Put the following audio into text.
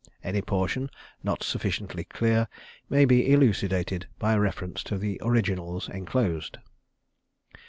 Any portion, not sufficiently clear, may be elucidated by a reference to the originals enclosed.